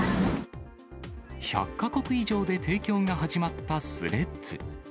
１００か国以上で提供が始まったスレッズ。